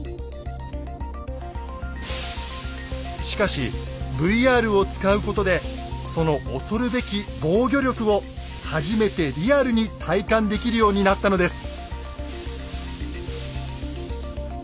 しかしＶＲを使うことでその恐るべき防御力を初めてリアルに体感できるようになったのです。